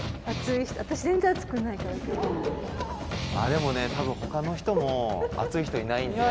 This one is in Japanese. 「でもね多分他の人も暑い人いないんで」